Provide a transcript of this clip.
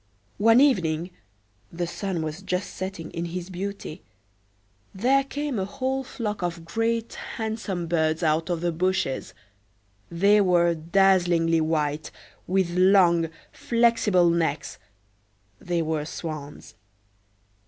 One evening—the sun was just setting in his beauty—there came a whole flock of great, handsome birds out of the bushes; they were dazzlingly white, with long, flexible necks; they were swans.